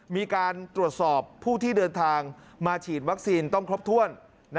มีการตรวจสอบผู้ที่เดินทางมาฉีดวัคซีนต้องครบถ้วน